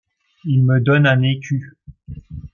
Ils me donnent un écu.